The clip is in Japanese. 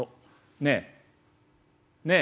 「ねえねえ！」。